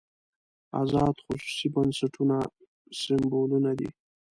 ازاد خصوصي بنسټونه سېمبولونه دي.